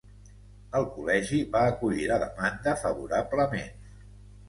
El Col·legi va acollir la demanda favorablement.